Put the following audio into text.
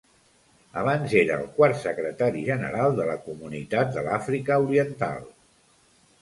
Abans era el quart Secretari General de la Comunitat de l'Àfrica Oriental.